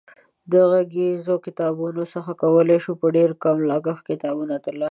د غږیزو کتابتونونو څخه کولای شو په ډېر کم لګښت کتابونه ترلاسه کړو.